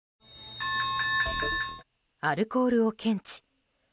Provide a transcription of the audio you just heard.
アルコールを検知。